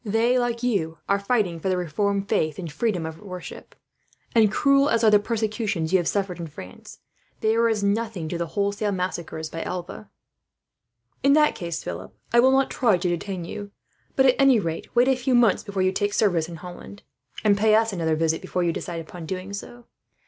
They, like you, are fighting for the reformed faith and freedom of worship and, cruel as are the persecutions you have suffered in France, they are as nothing to the wholesale massacres by Alva." "In that case, Philip, I will not try to detain you; but at any rate, wait a few months before you take service in Holland, and pay us another visit before you decide upon doing so."